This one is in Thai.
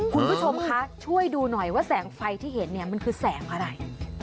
คุณผู้ชมคะช่วยดูหน่อยว่าแสงไฟที่เห็นเนี่ยมันคือแสงอะไร